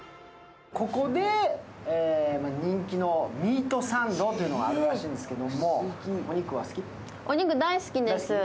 ここで人気のミートサンドというのがあるらしいんですけど。